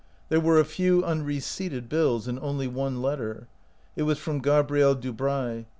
There were a few unreceipted bills, and only one letter. It was from Gabrielle Dubray.